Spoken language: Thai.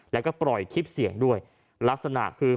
แล้วก็ปล่อยคลิปเสียงด้วยลักษณะคือ